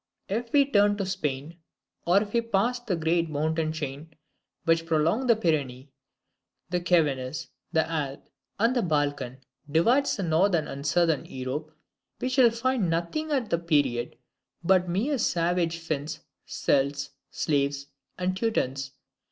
If we turn to Spain, or if we pass the great mountain chain which, prolonged through the Pyrenees, the Cevennes, the Alps, and the Balkan, divides Northern from Southern Europe, we shall find nothing at that period but mere savage Finns, Celts, Slaves, and Teutons.